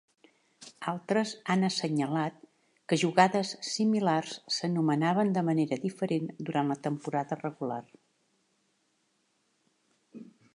Altres han assenyalat que jugades similars s'anomenaven de manera diferent durant la temporada regular.